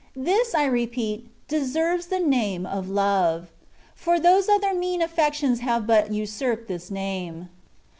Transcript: This, I repeat, deserves the name of love ; for those other mean aflfections have but usurped this name.